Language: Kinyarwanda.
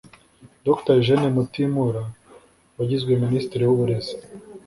Dr Eugène Mutimura wagizwe Minisitiri w’uburezi